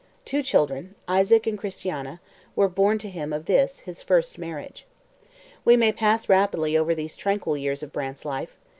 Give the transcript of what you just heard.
Two children, Isaac and Christiana, were born to him of this, his first, marriage. We may pass rapidly over these tranquil years of Brant's life.